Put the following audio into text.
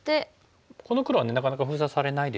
この黒はなかなか封鎖されないですよね。